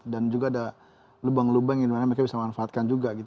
dan juga ada lubang lubang yang mereka bisa manfaatkan juga